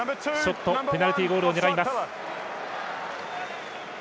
ペナルティゴールを狙います。